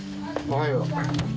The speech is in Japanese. おはよう。